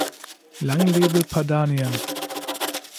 Lang lebe Padanien!